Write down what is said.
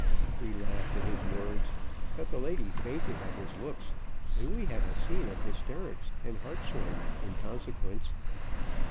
We laughed at his words, but the lady fainted at his looks, and we had a scene of hysterics and hartshorn in consequence.